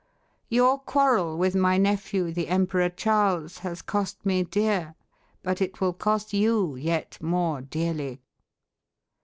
Your quarrel with my nephew the Emperor Charles has cost me dear, but it will cost you yet more dearly."